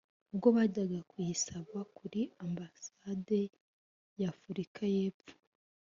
ubwo bajyaga kuyisaba kuri ambasade y’Afurika y’Epfo